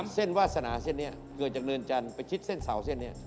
เส้นวาสนะกันเกิกจากเลือนจันทร์ไปชิดเส้นเสา